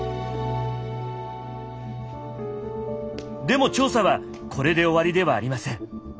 でも調査はこれで終わりではありません。